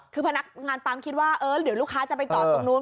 คือพนักงานปั๊มคิดว่าเออเดี๋ยวลูกค้าจะไปจอดตรงนู้น